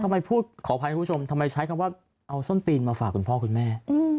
พูดขออภัยคุณผู้ชมทำไมใช้คำว่าเอาส้มตีนมาฝากคุณพ่อคุณแม่